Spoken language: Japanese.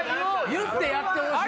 言ってやってほしかった。